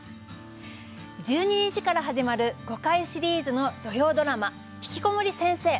１２日から始まる５回シリーズの土曜ドラマ「ひきこもり先生」。